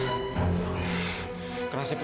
aku sudah satukan